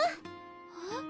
えっ？